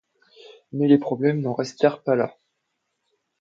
Mais les problèmes n'en restèrent pas là.